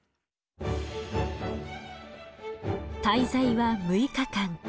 滞在は６日間。